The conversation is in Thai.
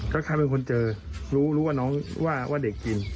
แล้วใครเป็นคนเจอรู้ว่าน้องว่าเด็กจริง